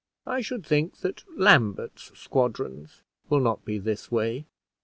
I should think that Lambert's squadrons will not be this way."